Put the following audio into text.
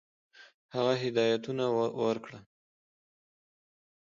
هغه هدایتونه ورکړل.